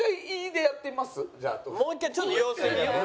もう一回ちょっと様子見よう。